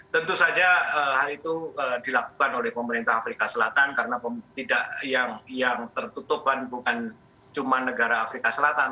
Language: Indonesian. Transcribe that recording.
tentu saja hal itu dilakukan oleh pemerintah afrika selatan karena yang tertutupan bukan cuma negara afrika selatan